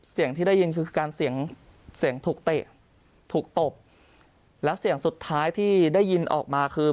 เสียงที่ได้ยินคือการเสียงเสียงถูกเตะถูกตบแล้วเสียงสุดท้ายที่ได้ยินออกมาคือ